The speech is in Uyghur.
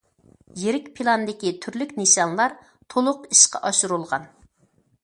يىرىك پىلاندىكى تۈرلۈك نىشانلار تولۇق ئىشقا ئاشۇرۇلغان.